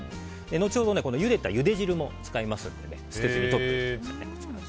後ほどゆでたゆで汁も使いますので捨てずにとっておいてください。